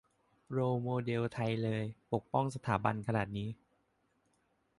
- โรลโมเดลคนไทยเลย ปกป้องสถาบันขนาดนี้